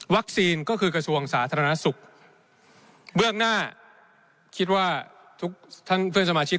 ก็คือกระทรวงสาธารณสุขเบื้องหน้าคิดว่าทุกท่านเพื่อนสมาชิก